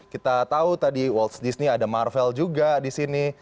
kita tahu tadi walts disney ada marvel juga di sini